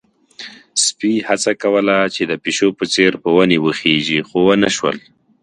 سپي هڅه کوله چې د پيشو په څېر په ونې وخيژي، خو ونه شول.